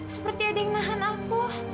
seperti ada yang nahan aku